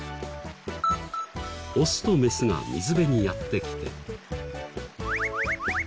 オスとメスが水辺にやって来て。